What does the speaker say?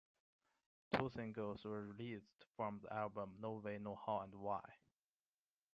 Two singles were released from the album: "No Way No How" and "Why".